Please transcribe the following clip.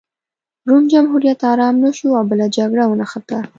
روم جمهوریت ارام نه شو او بله جګړه ونښته